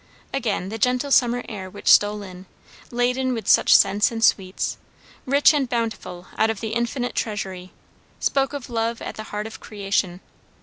Again the gentle summer air which stole in, laden with such scents and sweets, rich and bountiful out of the infinite treasury, spoke of love at the heart of creation.